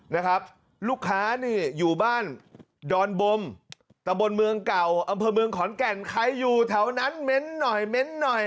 นะครับลูกค้านี่อยู่บ้านดอนบมตะบนเมืองเก่าอำเภอเมืองขอนแก่นใครอยู่แถวนั้นเม้นหน่อยเม้นหน่อย